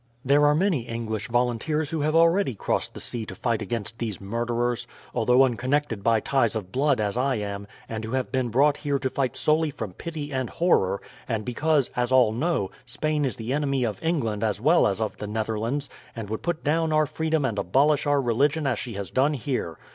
"There are many English volunteers who have already crossed the sea to fight against these murderers, although unconnected by ties of blood as I am, and who have been brought here to fight solely from pity and horror, and because, as all know, Spain is the enemy of England as well as of the Netherlands, and would put down our freedom and abolish our religion as she has done here.